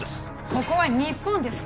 ここは日本です